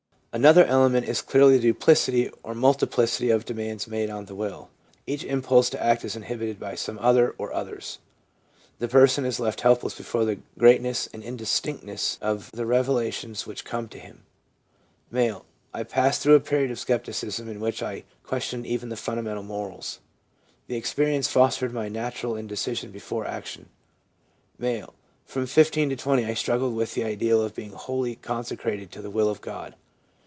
Another element is clearly the duplicity or multi plicity of demands made on the will. Each impulse to act is inhibited by some other or others. The person is left helpless before the greatness and indistinctness of the revelations which come to him. M. ' I passed through a period of scepticism in which I questioned ADOLESCENCE— BIRTH OF A LARGER SELF 259 even the fundamental morals. The experience fostered my natural indecision before action.' M. * From 15 to 20 I struggled with the ideal of being wholly conse crated to the will of God.